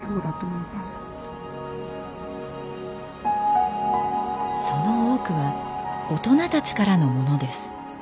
その多くは大人たちからのものです。